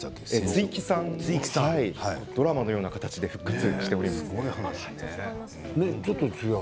ドラマのような形で復活しております。